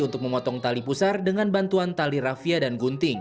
untuk memotong tali pusar dengan bantuan tali rafia dan gunting